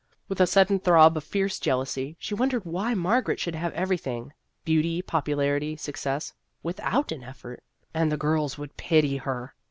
With a sudden throb of fierce jealousy, she wondered why Margaret should have everything beauty, popularity, success without an effort. And the girls would pity her